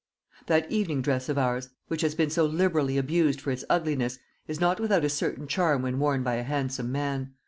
That evening dress of ours, which has been so liberally abused for its ugliness, is not without a certain charm when worn by a handsome man.